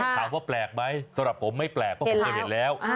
แปลกไหมสำหรับผมไม่แปลกเพราะผมเคยเห็นแล้ว